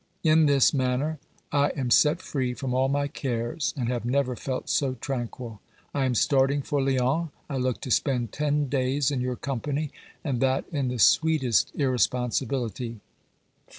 In this manner I am set free from all my cares, and have never felt so tranquil. I am starting for Lyons ; I look to spend ten days in your company, and that in the sweetest irresponsibility.